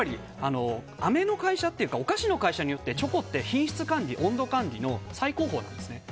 あめの会社っていうかお菓子の会社によってチョコって品質管理、温度管理の最高峰なんです。